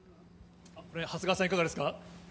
長谷川さん、いかがですか？